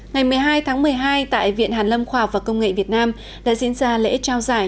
ngày một mươi hai tháng một mươi hai tại viện hàn lâm khoa học và công nghệ việt nam đã diễn ra lễ trao giải